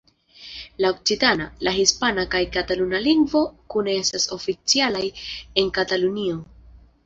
La okcitana, la hispana kaj kataluna lingvoj kune estas oficialaj en Katalunio.